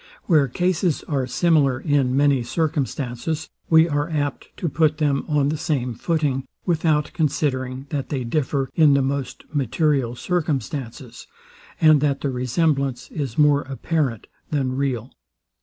Where cases are similar in many circumstances, we are apt to put them on the same footing, without considering, that they differ in the most material circumstances, and that the resemblance is more apparent than real.